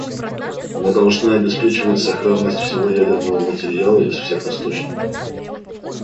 Мы должны обеспечивать сохранность всего ядерного материала из всех источников.